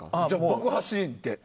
爆破シーンって。